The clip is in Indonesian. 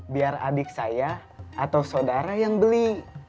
biar adik saya atau saudara yang beli